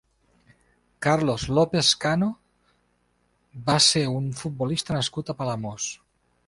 Carlos López Cano va ser un futbolista nascut a Palamós.